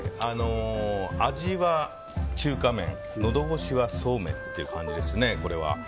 味は中華麺、のど越しはそうめんという感じですね。